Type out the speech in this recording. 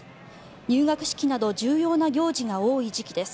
入学式など重要な行事が多い時期です。